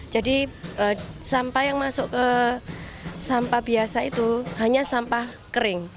jadi sampah yang masuk ke sampah biasa itu hanya sampah kering